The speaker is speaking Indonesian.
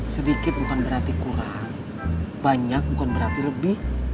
sedikit bukan berarti kurang banyak bukan berarti lebih